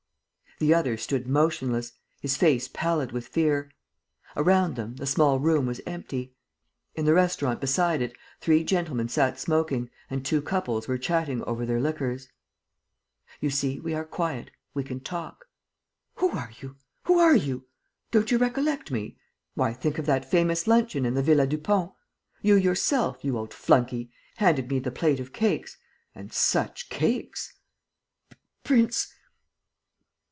The other stood motionless, his face pallid with fear. Around them, the small room was empty. In the restaurant beside it, three gentlemen sat smoking and two couples were chatting over their liquors. "You see, we are quiet ... we can talk." "Who are you? Who are you?" "Don't you recollect me? Why, think of that famous luncheon in the Villa Dupont! ... You yourself, you old flunkey, handed me the plate of cakes ... and such cakes!" "Prince.